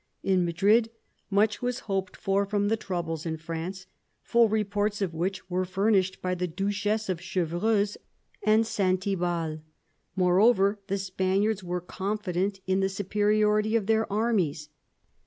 In Madrid much was hoped for from the troubles in France, full reports of which were furnished by the Duchess of Chevreuse and Saint Ibal. Moreover, the Spaniards were confident in the superiority of their armies.